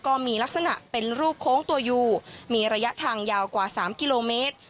ก็มีลักษณะเป็นรูปโค้งตัวยูมีระยะทางยาวกว่า๓กิโลเมตร